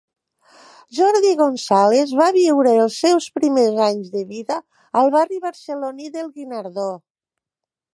Jordi González va viure els seus primers anys de vida al barri barceloní del Guinardó.